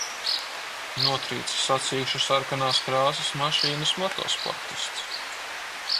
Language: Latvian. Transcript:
Notrieca sacīkšu sarkanās krāsas mašīnas motosportists.